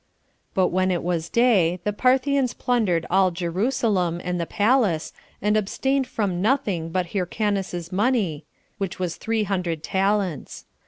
But when it was day, the Parthians plundered all Jerusalem, and the palace, and abstained from nothing but Hyrcanus's money, which was three hundred talents.